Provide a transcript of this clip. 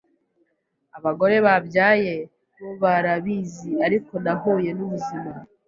abagore babyaye bo barabizi ariko nahuye n’ubuzima